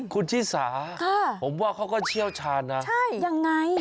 คุณชิสาผมว่าเขาก็เชี่ยวชาญนะใช่ยังไง